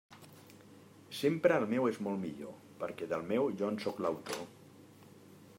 Sempre el meu és molt millor, perquè del meu jo en sóc l'autor.